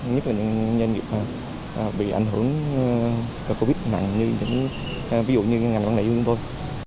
nhất là những doanh nghiệp bị ảnh hưởng covid nặng như những ngành ban nảy như chúng tôi